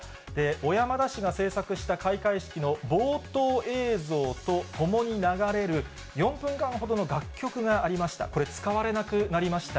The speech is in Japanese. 小山田氏が制作した開会式の冒頭映像とともに流れる４分間ほどの楽曲がありました。